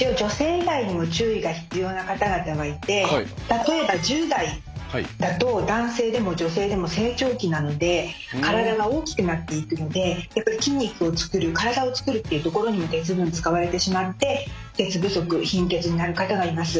例えば１０代だと男性でも女性でも成長期なので体が大きくなっていくのでやっぱり筋肉を作る体を作るっていうところにも鉄分使われてしまって鉄不足貧血になる方がいます。